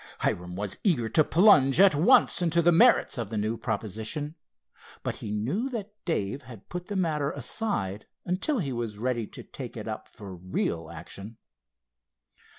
Hiram was eager to plunge at once into the merits of the new proposition, but he knew that Dave had put the matter aside until he was ready to take it up for real action.